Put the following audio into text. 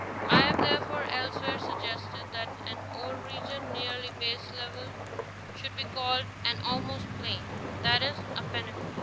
Ihave therefore elsewhere suggested* that an old region, nearly baselevelled, should be called an almost plain ; that is, a peneplain.